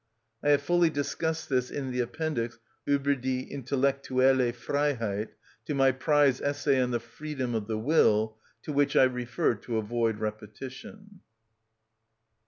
I have fully discussed this in the appendix, "Ueber die Intellektuelle Freiheit," to my prize essay on the freedom of the will, to which I refer to avoid repetition.